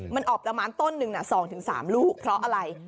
มันออกประมาณต้นหนึ่ง๒๓ลูกเพราะอะไร